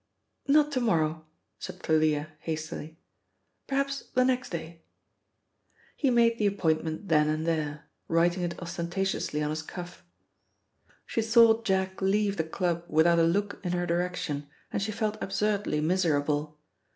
"Not to morrow," said Thalia hastily. "Perhaps the next day." He made the appointment then and there, writing it ostentatiously on his cuff. She saw Jack leave the club without a look in her direction, and she felt absurdly miserable.